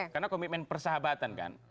karena komitmen persahabatan kan